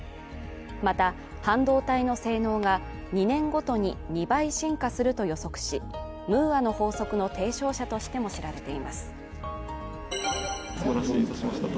また、半導体の性能が２年ごとに２倍進化すると予測しムーアの法則の提唱者としても知られています。